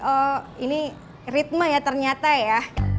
oh ini ritme ya ternyata ya